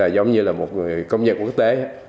giống như là một người công nhân quốc tế